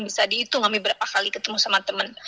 bisa dihitung ami berapa kali ketemu sama temen